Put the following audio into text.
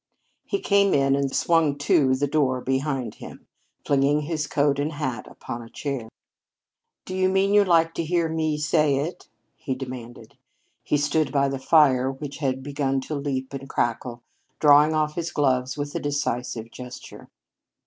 He came in and swung to the door behind him, flinging his coat and hat upon a chair. "Do you mean you like to hear me say it?" he demanded. He stood by the fire which had begun to leap and crackle, drawing off his gloves with a decisive gesture.